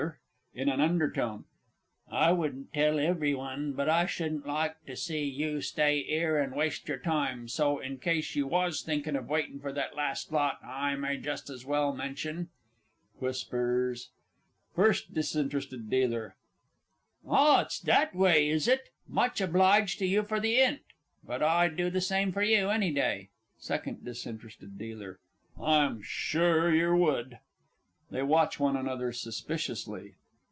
in an undertone). I wouldn't tell every one, but I shouldn't like to see you stay 'ere and waste your time; so, in case you was thinking of waiting for that last lot, I may just as well mention [Whispers. FIRST D. D. Ah, it's that way, is it? Much obliged to you for the 'int. But I'd do the same for you any day. SECOND D. D. I'm sure yer would! [_They watch one another suspiciously.